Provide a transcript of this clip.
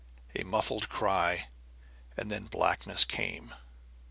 A muffled cry, and then blackness came.